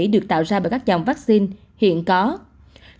được tạo ra bởi các dòng vaccine hiện còn